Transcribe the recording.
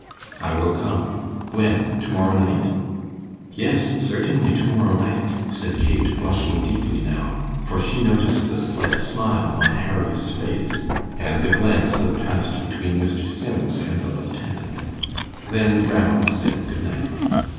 "I will come. When? To morrow night?" "Yes, certainly, to morrow night," said Kate, blushing deeply now, for she noticed the slight smile on Harry's face, and the glance that passed between Mr. Sims and the lieutenant. Then Ranald said good night.